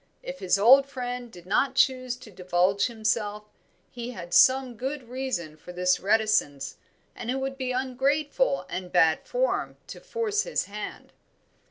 If his old friend did not choose to divulge himself, he had some good reason for his reticence and it would be ungrateful and bad form to force his hand.